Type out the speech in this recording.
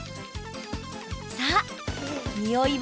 さあ、においは。